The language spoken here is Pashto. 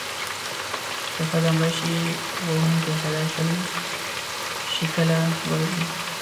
که ښځه مړه شي، وهونکی سړی شل شِکِله ورکړي.